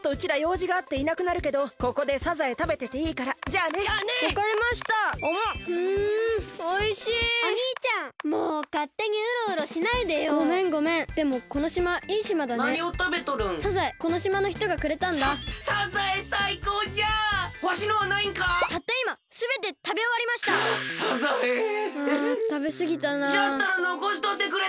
じゃったらのこしとってくれたらええのに！